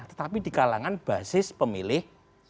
tetapi di kalangan basis pemilih